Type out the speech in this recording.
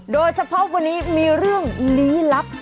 โดยเฉพาะวันนี้มีเรื่องลี้ลับ